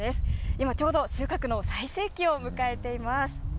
今ちょうど収穫の最盛期を迎えています。